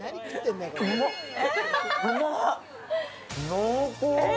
濃厚！